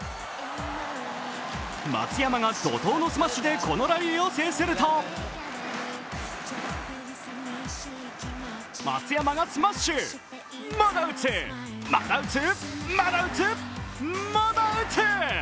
松山が怒とうのスマッシュでこのラリーを制すると松山がスマッシュ、まだ打つ、まだ打つ、まだ打つ、まだ打つ！